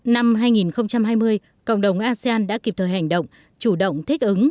năm hai nghìn hai mươi cộng đồng asean đã kịp thời hành động chủ động thích ứng